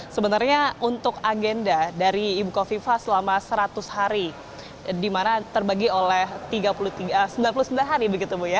sebenarnya untuk agenda dari ibu kofifa selama seratus hari di mana terbagi oleh sembilan puluh sembilan hari begitu bu ya